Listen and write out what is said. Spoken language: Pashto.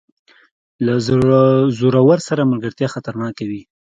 له زورور سره ملګرتیا خطرناکه وي.